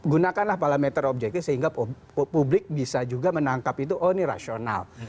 gunakanlah parameter objektif sehingga publik bisa juga menangkap itu oh ini rasional